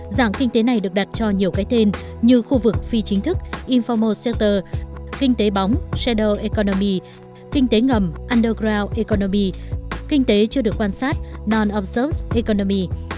dạng kinh tế này được đặt cho nhiều cái tên như khu vực phi chính thức informal sector kinh tế bóng shadow economy kinh tế ngầm underground economy kinh tế chưa được quan sát non observed economy